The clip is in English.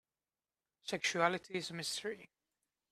Sexuality is a mystery.